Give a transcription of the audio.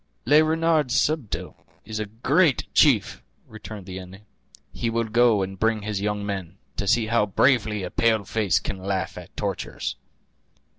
"Le Renard Subtil is a great chief!" returned the Indian; "he will go and bring his young men, to see how bravely a pale face can laugh at tortures."